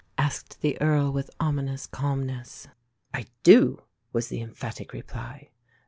asked the Earl with ominous calmness. "I do," was the emphatic reply.